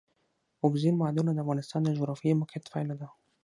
اوبزین معدنونه د افغانستان د جغرافیایي موقیعت پایله ده.